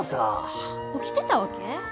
起きてたわけ？